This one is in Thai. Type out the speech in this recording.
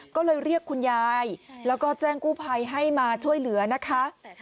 ก็เลยเรียกคุณยายแล้วก็แจ้งกู้ภัยให้มาช่วยเหลือนะคะ